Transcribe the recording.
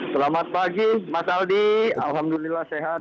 selamat pagi mas aldi alhamdulillah sehat